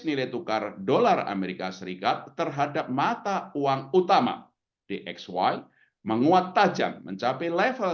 nilai tukar dolar amerika serikat terhadap mata uang utama dx y menguat tajam mencapai level